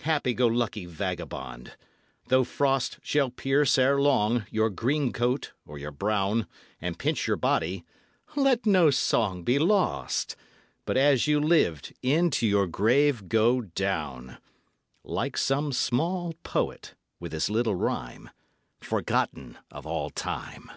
Happy go lucky vagabond, 'though frost Shall pierce, ere long, your green coat or your brown, And pinch your body, let no song be lost, But as you lived into your grave go down Like some small poet with his little rhyme, Forgotten of all time.